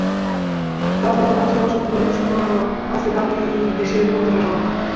তারপর বাদশাহর সম্মুখেই ঘোষণা করা হলোঃ আজ থেকে আপনিই দেশের প্রকৃত শাসক।